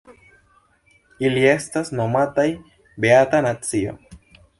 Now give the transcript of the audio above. Ili estas nomataj "beata nacio".